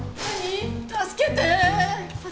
助けて！